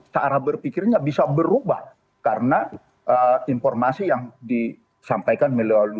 saat berpikirnya bisa berubah karena informasi yang disampaikan melalui ruang siber